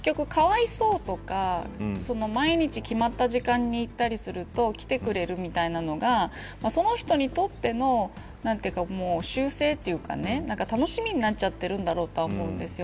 結構、かわいそうとか毎日、決まった時間に行ったりすると来てくれるみたいなのがその人にとっての習性というか楽しみになっちゃっているんだろうと思うんです。